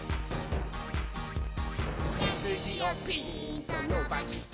「せすじをピーンとのばして」